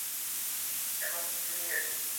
এখন তো স্ট্রিমিং এর যুগ।